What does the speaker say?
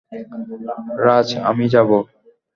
রাজ, আমি যাবো।